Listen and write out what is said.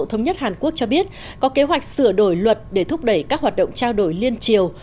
thống nhất hàn quốc cho biết có kế hoạch sửa đổi luật để thúc đẩy các hoạt động trao đổi liên triều